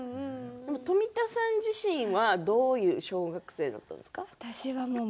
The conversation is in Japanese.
富田さん自身は、どういう小学生だったんですか？